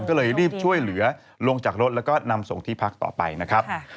ก็เลยรีบช่วยเหลือลงจากรถแล้วก็นำส่งที่พักต่อไปนะครับ